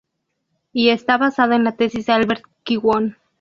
Y está basado en la tesis de Albert Kwon.